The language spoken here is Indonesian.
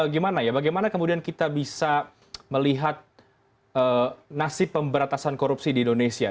gimana ya bagaimana kemudian kita bisa melihat nasib pemberantasan korupsi di indonesia